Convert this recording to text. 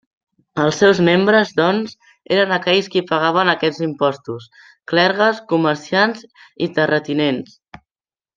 Els seus membres, doncs, eren aquells qui pagaven aquests impostos: clergues, comerciants i terratinents.